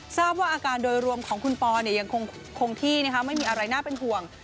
ทราบว่าอาการโดยรวมของคุณปอยังคงที่ไม่มีอะไรน่าเป็นห่วง